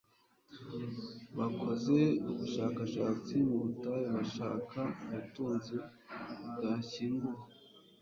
bakoze ubushakashatsi mu butayu bashaka ubutunzi bwashyinguwe